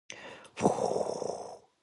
아가야!